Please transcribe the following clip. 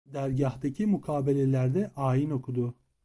Dergâhtaki mukabelelerde ayin okudu.